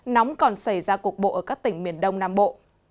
nóng còn xảy ra cục bộ ở các tỉnh miền đông nam bộ